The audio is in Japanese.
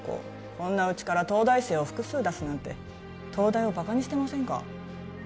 こんなうちから東大生を複数出すなんて東大をバカにしてませんか